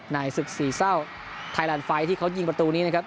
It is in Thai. ในศึกสี่เศร้าไทยแลนด์ไฟที่เขายิงประตูนี้นะครับ